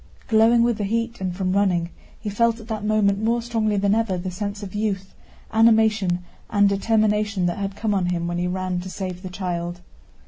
Glowing with the heat and from running, he felt at that moment more strongly than ever the sense of youth, animation, and determination that had come on him when he ran to save the child.